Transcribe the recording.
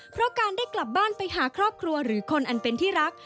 เพราะการได้กลับบ้านไปหาครอบครัวหรือคนอันเป็นที่รัก